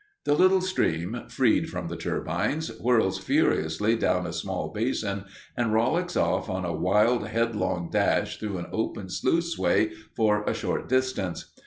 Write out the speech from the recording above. The little stream, freed from the turbines, whirls furiously round a small basin and rollicks off on a wild, headlong dash through an open sluiceway for a short distance.